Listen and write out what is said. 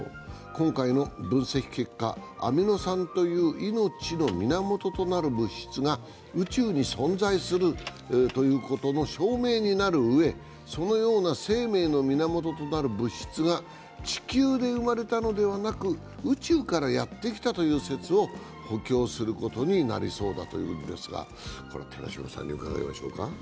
今回の分析結果、アミノ酸という命の源となる物質が宇宙に存在するということの証明になるうえ、そのような生命の源となる物質が地球で生まれたのではなく宇宙からやってきたという説を補強することになりそうだというんですが、これは寺島さんに伺いましょうか。